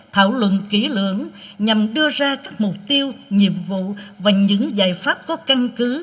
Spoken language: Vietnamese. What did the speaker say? thảo luận kỹ lưỡng nhằm đưa ra các mục tiêu nhiệm vụ và những giải pháp có căn cứ